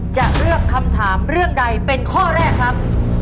จะเลือกคำถามเรื่องใดเป็นข้อแรกครับ